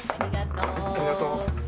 ありがとう。